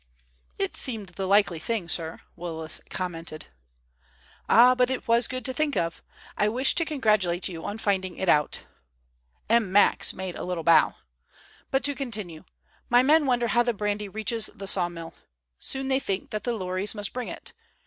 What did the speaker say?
"It seemed the likely thing, sir," Willis commented. "Ah, but it was good to think of. I wish to congratulate you on finding it out." M. Max made a little bow. "But to continue. My men wonder how the brandy reaches the sawmill. Soon they think that the lorries must bring it.